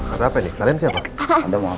anda apa ini kalian siapa anda mau apa